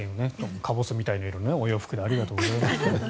カボスみたいな色のお洋服でありがとうございます。